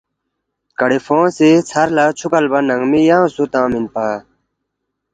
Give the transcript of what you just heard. کڑوفونگسی ژھر لا چُھو کلبہ ننگمی ینگ سُو تنگمین پا۔